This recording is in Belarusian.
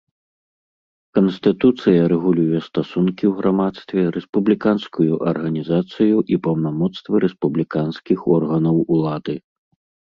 Канстытуцыя рэгулюе стасункі ў грамадстве, рэспубліканскую арганізацыю і паўнамоцтвы рэспубліканскіх органаў улады.